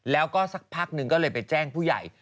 แล้วก็สักพักหนึ่งก็เลยไปแจ้งผู้ใหญ่